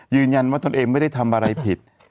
ยืนยันว่าทนเองไม่ได้ทำอะไรผิด